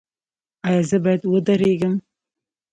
ایا زه باید ودریږم؟